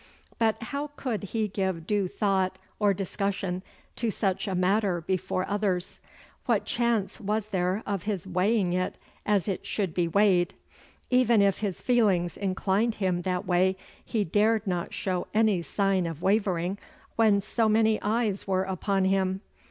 But how could he give due thought or discussion to such a matter before others? What chance was there of his weighing it as it should be weighed? Even if his feelings inclined him that way, he dared not show any sign of wavering when so many eyes were upon him.